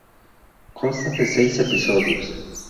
Consta de seis episodios.